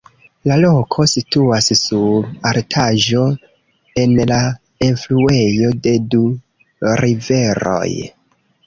La loko situas sur altaĵo en la enfluejo de du riveroj.